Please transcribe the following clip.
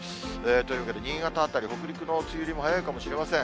というわけで、新潟辺り、北陸の梅雨入りも早いかもしれません。